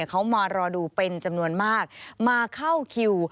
เขามารอดูเป็นจำนวนมากมาเข้าคิว